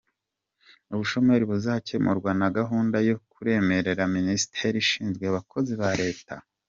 Ubushomeri buzakemurwa na gahunda yo kuremera Minisiteri ishinzwe abakozi ba Leta